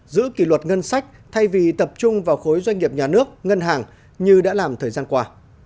giữ kỷ luật ngân sách thay vì tập trung vào khối doanh nghiệp nhà nước ngân hàng như đã làm thời gian qua